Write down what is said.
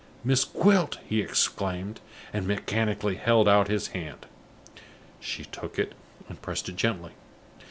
"Miss Gwilt!" he exclaimed, and mechanically held out his hand. She took it, and pressed it gently.